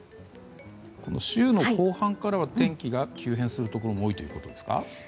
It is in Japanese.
週の後半からは天気が急変することが多いということですか？